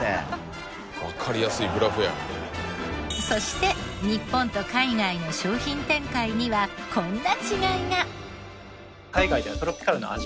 そして日本と海外の商品展開にはこんな違いが。